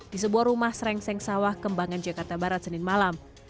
di sebuah rumah serengseng sawah kembangan jakarta barat senin malam